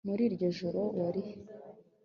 muri iryo joro wari he